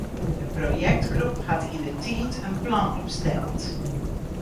De projektgroep hat yndertiid in plan opsteld.